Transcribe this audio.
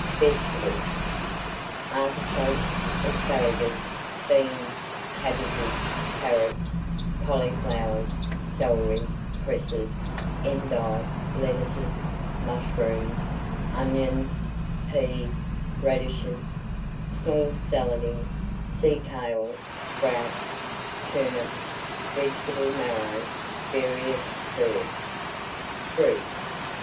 VEGETABLES. Artichokes, asparagus, beans, cabbages, carrots, cauliflowers, celery, cresses, endive, lettuces, mushrooms, onions, pease, radishes, small salading, sea kale, sprouts, turnips, vegetable marrow, various herbs. FRUIT.